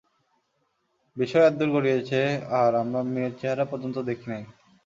বিষয় এদ্দুর গড়িয়েছে, আর আমরা মেয়ের চেহারা পর্যন্ত দেখি নাই।